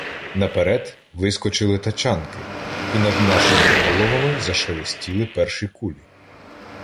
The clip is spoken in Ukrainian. Наперед вискочили тачанки, і над нашими головами зашелестіли перші кулі.